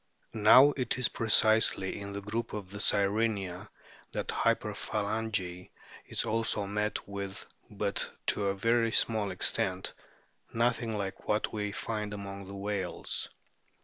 Now it is precisely in the group of the Sirenia that hyperphalangy is also met with, but to a very small extent nothing like what we find among the whales.